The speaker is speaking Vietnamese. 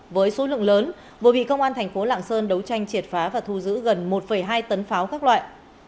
với số lượng lớn vừa bị công an thành phố lạng sơn đấu tranh triệt phá và thu giữ gần một hai tấn pháo các loại